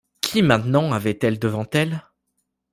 Qui maintenant avait-elle devant elle ?